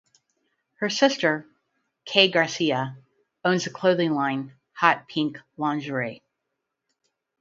Her sister, Kaye Garcia, owns the clothing line Hot Pink Lingerie.